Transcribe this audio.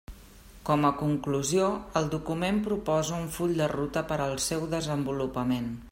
Com a conclusió, el document proposa un full de ruta per al seu desenvolupament.